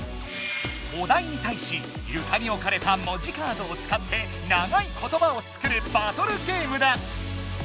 お題にたいしゆかにおかれた「もじカード」を使って長いことばを作るバトルゲームだ。